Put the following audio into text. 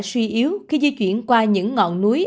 suy yếu khi di chuyển qua những ngọn núi